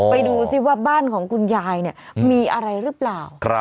ไปดูซิว่าบ้านของคุณยายมีอะไรหรือเปล่า